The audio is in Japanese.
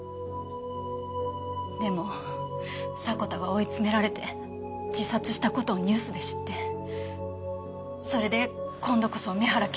でも迫田が追い詰められて自殺した事をニュースで知ってそれで今度こそ梅原検事にと。